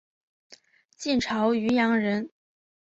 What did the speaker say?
晋朝渔阳人。